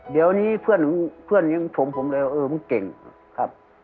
เดี๋ยวนี้เพื่อนอย่างผมผมเลยว่าเออมึงเก่งครับ